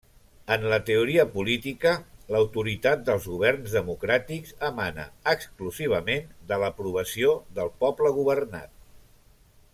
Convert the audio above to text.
En la teoria política, l'autoritat dels governs democràtics emana exclusivament de l'aprovació del poble governat.